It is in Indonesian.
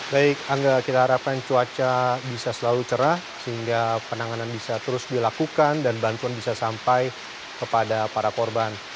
baik angga kita harapkan cuaca bisa selalu cerah sehingga penanganan bisa terus dilakukan dan bantuan bisa sampai kepada para korban